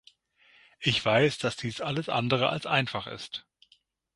Ich weiß, dass dies alles andere als einfach ist.